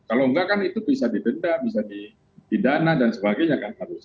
kalau enggak kan itu bisa didenda bisa didana dan sebagainya kan pak agus